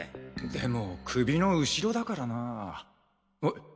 でも首の後ろだからなぁん？